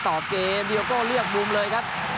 ต่อแกมเดียวก็เลี่ยงบูมเลยครับ